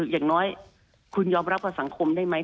อย่างน้อยคุณยอมรับกับสังคมได้ไหม